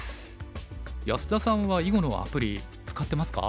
安田さんは囲碁のアプリ使ってますか？